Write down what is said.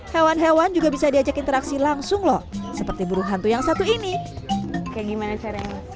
hewan hewan juga bisa diajak interaksi langsung loh seperti burung hantu yang satu ini kayak gimana caranya